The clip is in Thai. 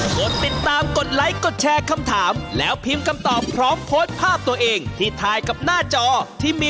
เขาไม่จะไม่กล้ามาโทรในบริเวณนั้น